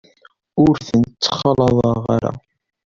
Ur ten-ttxalaḍeɣ ara.